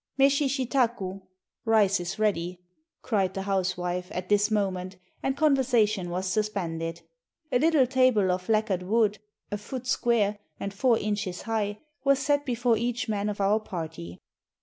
"Meshi shitaku" (rice is ready), cried the housewife, at this moment, and conversation was suspended. A little table of lacquered wood a foot square and four inches high was set before each man of our party.